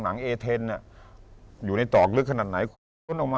หนังเอเท็นอยู่ในตอกลึกขนาดไหน